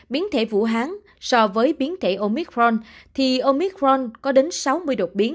biến thể vũ hán so với biến thể omicron thì omicront có đến sáu mươi đột biến